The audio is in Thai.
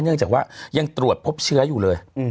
เนื่องจากว่ายังตรวจพบเชื้ออยู่เลย